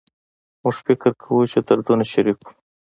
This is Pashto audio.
موږ فکر کوو چې دردونه شریک کړو